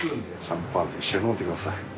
シャンパンと一緒に飲んでください。